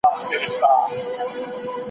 زه پرون د سبا لپاره د ژبي تمرين کوم؟!